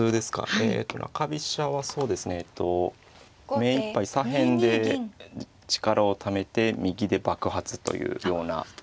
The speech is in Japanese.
えと中飛車はそうですね目いっぱい左辺で力をためて右で爆発というようなイメージです。